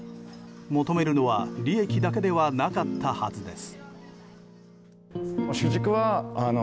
求めるのは利益だけではなかったはずです。